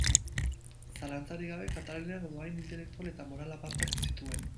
Zalantzarik gabe, Katalinak dohain intelektual eta moral apartak zituen.